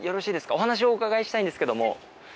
お話をお伺いしたいんですけども。